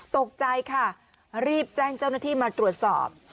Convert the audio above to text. ตกใจค่ะรีบแจ้งเจ้าหน้าที่มาตรวจสอบ